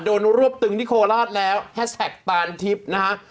รวบตึงที่โคราชแล้วแฮชแท็กปานทิพย์นะฮะ